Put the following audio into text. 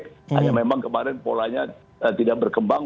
hanya memang kemarin polanya tidak berkembang